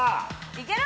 いける！